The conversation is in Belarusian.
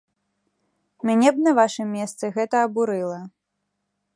Мяне б на вашым месцы гэта абурыла.